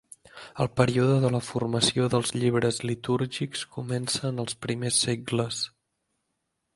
El període de la formació dels llibres litúrgics comença en els primers segles.